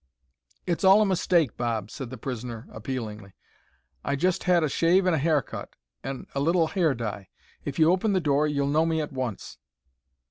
"It's all a mistake, Bob," said the prisoner, appealingly. "I just had a shave and a haircut and—and a little hair dye. If you open the door you'll know me at once."